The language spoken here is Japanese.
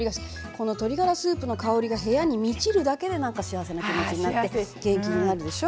この鶏ガラスープの香りが部屋に満ちるだけで何か幸せな気持ちになって元気になるでしょ？